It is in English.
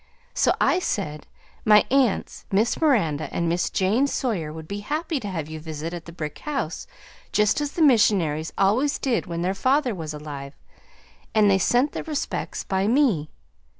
So I said, 'My aunts, Miss Miranda and Miss Jane Sawyer would be happy to have you visit at the brick house, just as the missionaries always did when their father was alive, and they sent their respects by me.'